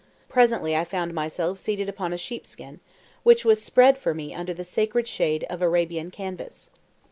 Presently I found myself seated upon a sheepskin, which was spread for me under the sacred shade of Arabian canvas.